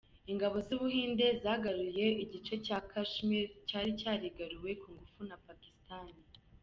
Ingabo z’ubuhinde zagaruye igice cya Kashmir cyari cyarigaruriwe ku ngufu na Pakistan.